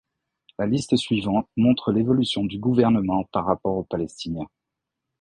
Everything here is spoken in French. La liste suivante montre l'évolution du gouvernement par rapport au palestinien.